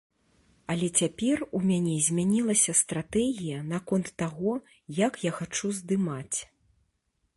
Але цяпер у мяне змянілася стратэгія наконт таго, як я хачу здымаць.